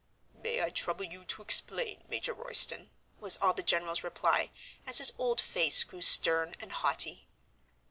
"May I trouble you to explain, Major Royston" was all the general's reply, as his old face grew stern and haughty.